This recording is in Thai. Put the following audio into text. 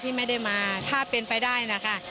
ที่ไม่ได้มาถ้าเป็นไปได้นะคะ